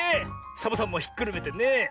サボさんもひっくるめてね。